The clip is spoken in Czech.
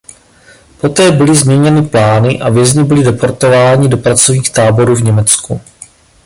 Poté byly změněny plány a vězni byly deportováni do pracovních táborů v Německu.